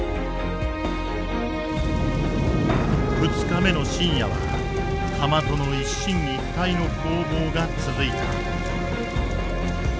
２日目の深夜は釜との一進一退の攻防が続いた。